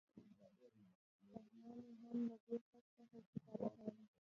کاهنانو هم له دې خط څخه استفاده کوله.